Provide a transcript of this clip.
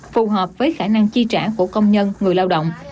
phù hợp với khả năng chi trả của công nhân người lao động